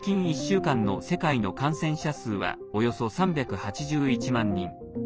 直近１週間の世界の感染者数はおよそ３８１万人。